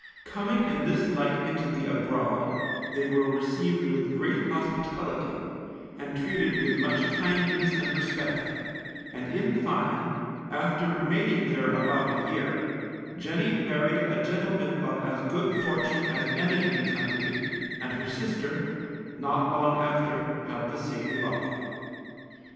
Coming in this light into the abroad, they were received with great hospitality, and treated with much kindness and respect; and in fine, after remaining here about a year, Jenny married a gentleman of as good fortune as any in the country, and her sister, not long after, had the same luck.